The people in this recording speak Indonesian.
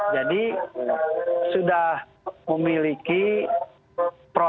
jadi sudah memiliki protokol